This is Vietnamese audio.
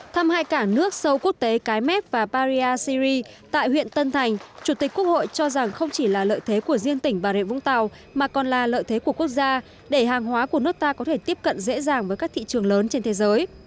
thăm hai cảng nước sâu quốc tế cái mép và parisyri tại huyện tân thành chủ tịch quốc hội cho rằng không chỉ là lợi thế của riêng tỉnh bà rịa vũng tàu mà còn là lợi thế của quốc gia để hàng hóa của nước ta có thể tiếp cận dễ dàng với các thị trường lớn trên thế giới